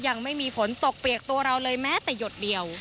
ยังไม่มีฝนตกเปียกตัวเราเลยแม้แต่หยดเดียว